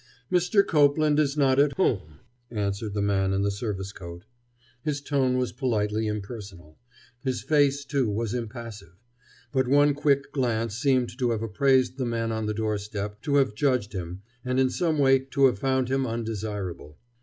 "Mr. Copeland is not at home," answered the man in the service coat. His tone was politely impersonal. His face, too, was impassive. But one quick glance seemed to have appraised the man on the doorstep, to have judged him, and in some way to have found him undesirable.